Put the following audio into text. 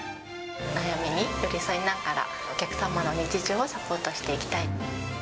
悩みに寄り添いながら、お客様の日常をサポートしていきたい。